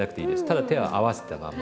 ただ手は合わせたまま。